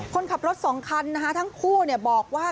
คนขับรถสองคันนะคะทั้งคู่บอกว่า